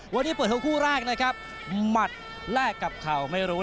เวรกด้วยโคมรั้งหละกลับแล้ว